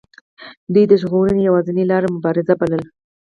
دوی د ژغورنې یوازینۍ لار مبارزه بلله.